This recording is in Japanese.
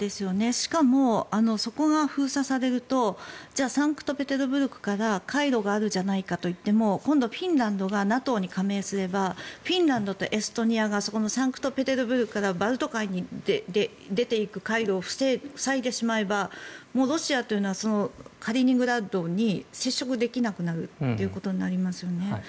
しかもそこが封鎖されるとサンクトペテルブルクから海路があるじゃないかといっても今度、フィンランドがＮＡＴＯに加盟すればフィンランドとエストニアがそこのサンクトペテルブルクからバルト海に出ていく海路を塞いでしまえばロシアというのはカリーニングラードに接触できなくなるということになりますよね。